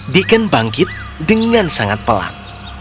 deacon bangkit dengan sangat pelan